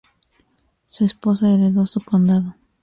Su esposo heredó su condado.